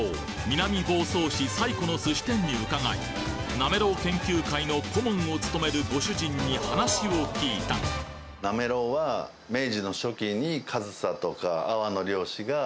南房総市最古の寿司店に伺いなめろう研究会の顧問を務めるご主人に話を聞いたって言われていますね。